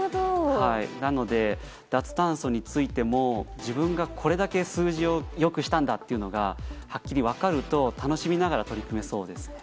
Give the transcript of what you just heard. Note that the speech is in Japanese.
なので、脱炭素についても自分がこれだけ数字をよくしたんだというのがはっきり分かると楽しめながら取り組めそうですよね。